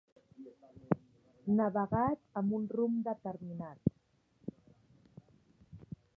Navegat amb un rumb determinat.